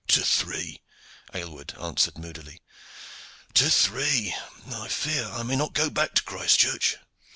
"To three," Aylward answered moodily, "to three. I fear I may not go back to Christchurch.